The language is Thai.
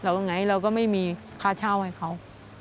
ว่าไงเราก็ไม่มีค่าเช่าให้เขา